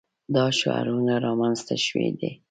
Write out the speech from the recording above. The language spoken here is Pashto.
دا شعارونه رامنځته شوي دي.